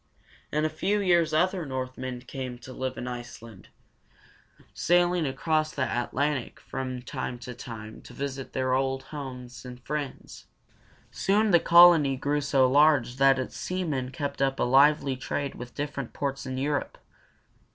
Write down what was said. In a few years other Northmen came to live in Iceland, sailing across the Atlantic from time to time to visit their old homes and friends. Soon the colony grew so large that its seamen kept up a lively trade with different ports in Europe.